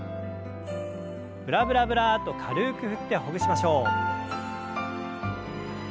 ブラブラブラッと軽く振ってほぐしましょう。